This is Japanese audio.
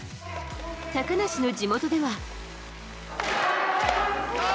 高梨の地元では。